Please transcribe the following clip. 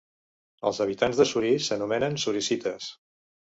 Els habitants de Souris s'anomenen "sourisites".